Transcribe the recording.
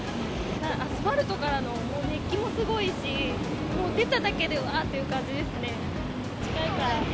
アスファルトからの熱気もすごいし、もう出ただけでわーっていう感じですね。